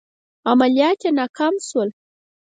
عملیات یې ناکام شول.